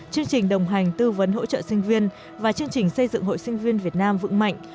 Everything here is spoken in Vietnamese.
chương trình đồng hành tư vấn hỗ trợ sinh viên và chương trình xây dựng hội sinh viên việt nam vững mạnh